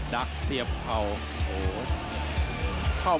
ดักเสียบเข่า